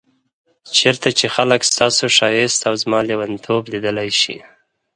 چيرته چي خلګ ستا ښايست او زما ليونتوب ليدلی شي